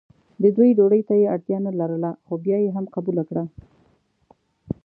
د دوی ډوډۍ ته یې اړتیا نه لرله خو بیا یې هم قبوله کړه.